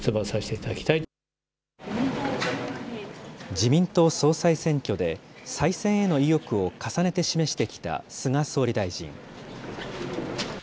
自民党総裁選挙で、再選への意欲を重ねて示してきた菅総理大臣。